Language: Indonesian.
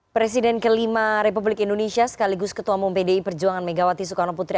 presiden kelima republik indonesia sekaligus ketua umum pdi perjuangan megawati soekarno putri